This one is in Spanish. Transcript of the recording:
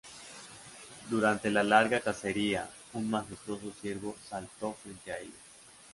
Durante la larga cacería, un majestuoso ciervo saltó frente a ellos.